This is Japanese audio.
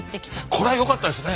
これはよかったですね。